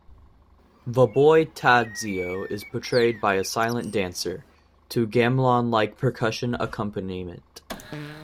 The boy Tadzio is portrayed by a silent dancer, to gamelan-like percussion accompaniment.